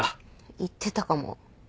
言ってたかも。